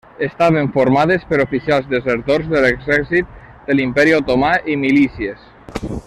Estaven formades per oficials desertors de l'Exèrcit de l'Imperi Otomà i milícies.